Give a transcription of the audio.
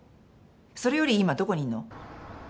それより今どこにいんの？